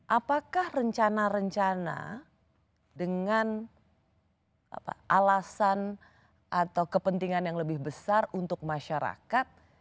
apakah rencana rencana dengan alasan atau kepentingan yang lebih besar untuk masyarakat